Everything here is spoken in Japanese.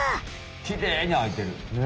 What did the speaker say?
きれいにあいてる。ね。